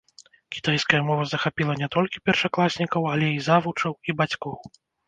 Кітайская мова захапіла не толькі першакласнікаў, але і завучаў, і бацькоў.